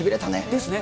ですね。